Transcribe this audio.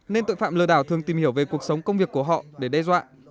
nên tội phạm lừa đảo thường tìm hiểu về cuộc sống công việc của họ để đe dọa